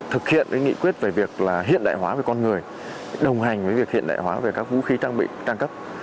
thực hiện nghị quyết về việc là hiện đại hóa về con người đồng hành với việc hiện đại hóa về các vũ khí trang bị căng cấp